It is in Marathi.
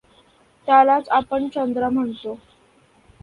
त्यालाच आपण चंद्र म्हणतो.